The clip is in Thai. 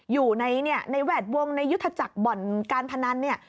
อยู่ในแวดวงในยุทธจักรบ่อนการพนันเนี่ย